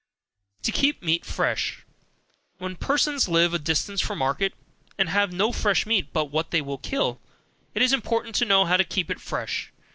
To Keep Meat Fresh. Where persons live a distance from market, and have no fresh meat but what they kill, it is important to know how to keep it fresh.